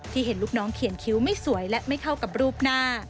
เห็นลูกน้องเขียนคิ้วไม่สวยและไม่เข้ากับรูปหน้า